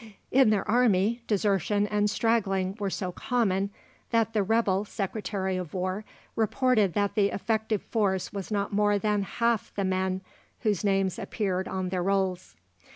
In their army, desertion and straggling were so common, that the rebel Secretary of War reported that the effective force was not more than half the men whose names appeared on the rolls.